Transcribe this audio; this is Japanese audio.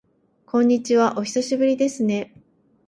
こんにちは、お久しぶりですね。